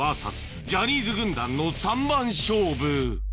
ジャニーズ軍団の三番勝負